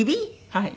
はい。